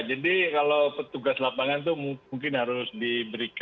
jadi kalau petugas lapangan itu mungkin harus diberikan